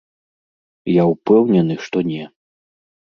Я ўпэўнены, што не.